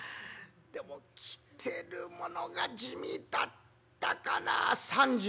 でも着てるものが地味だったかなあ。